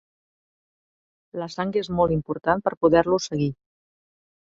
La sang és molt important per poder-lo seguir.